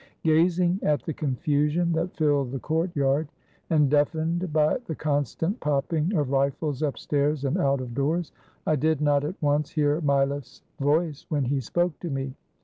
Gazing at the confusion that filled the courtyard, and deafened by the constant popping of rifles upstairs and out of doors, I did not at once hear Mileff's voice when he spoke to me.